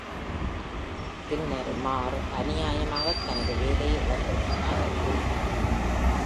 பின்னர் Marr அநியாயமாகத் தனது வேலையை இழந்துவிட்டதாக கூறினார்.